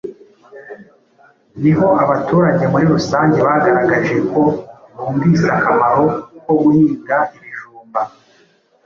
ni ho abaturage muri rusange bagaragaje ko bumvise akamaro ko guhinga ibijumba